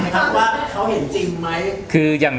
ถามว่าเขาเห็นจริงไหม